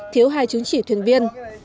thiếu hai chứng chỉ thuyền viên